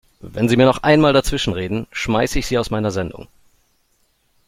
Wenn Sie mir noch einmal dazwischenreden, schmeiße ich Sie aus meiner Sendung!